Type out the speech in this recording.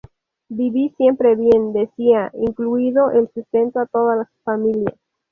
Viví siempre bien" decía, incluido el sustento a toda su familia.